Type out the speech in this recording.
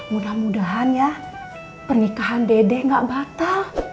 mudah mudahan ya pernikahan dede gak batal